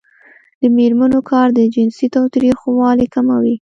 د میرمنو کار د جنسي تاوتریخوالي کموي.